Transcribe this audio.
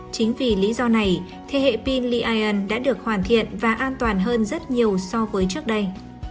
chính vì lý do này thế hệ pin lion đã được hoàn thiện và an toàn hơn rất nhiều so với trước đây